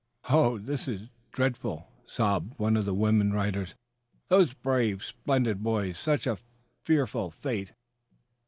"Oh, this is dreadful!" sobbed one of the women writers. "Those brave, splendid boys such a fearful fate!"